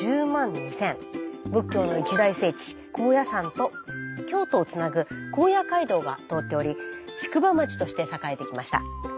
仏教の一大聖地高野山と京都をつなぐ高野街道が通っており宿場町として栄えてきました。